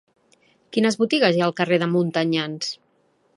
Quines botigues hi ha al carrer de Montanyans?